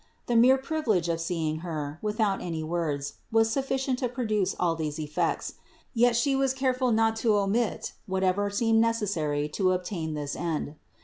The mere privilege of seeing Her, without any words, was sufficient to produce all these effects; yet She was careful not to omit whatever seemed neces sary to obtain this end.